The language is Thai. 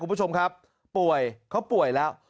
คุณผู้ชมครับป่วยเขาป่วยแล้ว